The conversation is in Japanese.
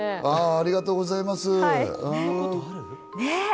ありがとうございます。